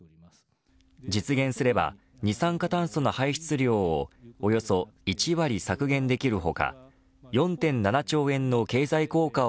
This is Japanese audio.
実現すれば二酸化炭素の排出量をおよそ１割削減できる他